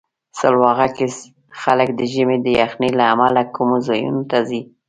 سلواغه کې خلک د ژمي د یخنۍ له امله کمو ځایونو ته ځي.